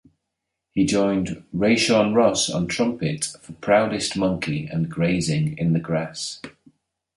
He joined Rashawn Ross on trumpet for "Proudest Monkey" and "Grazing in the Grass".